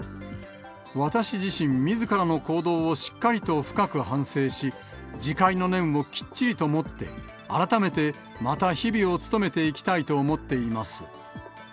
私自身、みずからの行動をしっかりと深く反省し、自戒の念をきっちりと持って、改めてまた日々を務めていきたいと思っています。